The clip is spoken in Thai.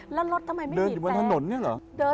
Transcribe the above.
แล้วรถทำไมไม่เดินอยู่บนถนนเนี่ยเหรอ